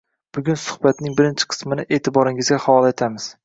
Bugun suhbatning birinchi qismini e’tiboringizga havola etamiz.